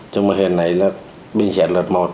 nhưng mà hiện nay là bình xét lật một